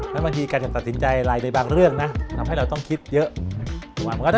แล้วบางทีการจะตัดสินใจอะไรในบางเรื่องนะทำให้เราต้องคิดเยอะ